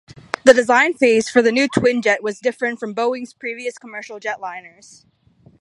The design phase for the new twinjet was different from Boeing's previous commercial jetliners.